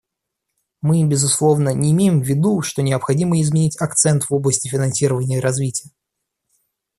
Мы, безусловно, не имеем в виду, что необходимо изменить акцент в области финансирования развития.